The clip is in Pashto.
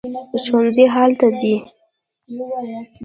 ښوونځی هلته دی